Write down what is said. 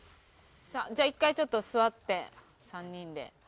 じゃあ１回ちょっと座って３人で。